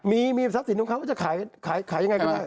มีทรัพย์สินของเขาก็จะขายยังไงก็ได้